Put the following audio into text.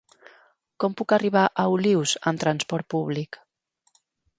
Com puc arribar a Olius amb trasport públic?